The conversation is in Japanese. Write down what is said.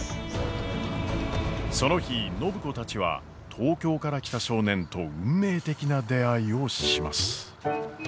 その日暢子たちは東京から来た少年と運命的な出会いをします。